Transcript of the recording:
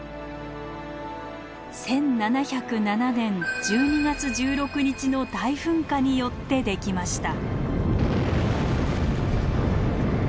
１７０７年１２月１６日の大噴火によってできました。